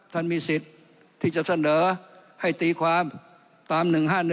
ท่านมีสิทธิ์ที่จะเสนอให้ตีความตาม๑๕๑